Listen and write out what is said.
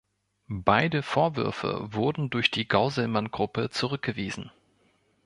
Beide Vorwürfe wurden durch die Gauselmann-Gruppe zurückgewiesen.